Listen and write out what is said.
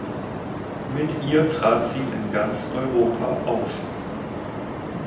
Mit ihr trat sie in ganz Europa auf.